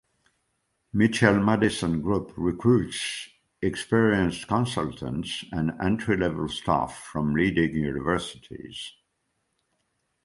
Mitchell Madison Group recruits experienced consultants and entry-level staff from leading universities.